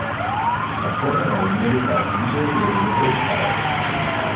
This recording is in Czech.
Na červené jílovité půdě je i několik farem.